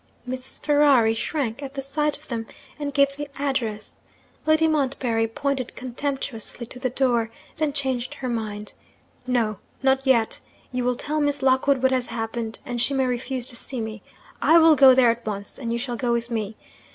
Mrs. Ferrari shrank at the sight of them, and gave the address. Lady Montbarry pointed contemptuously to the door then changed her mind. 'No! not yet! you will tell Miss Lockwood what has happened, and she may refuse to see me. I will go there at once, and you shall go with me.